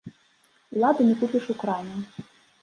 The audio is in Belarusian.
Уладу не купіш у краме.